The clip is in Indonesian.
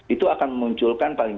itu akan memunculkan paling